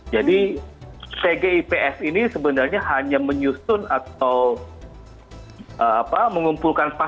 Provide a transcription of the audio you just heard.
jadi cg ips ini sebenarnya hanya menyusun atau mengumpulkan fakta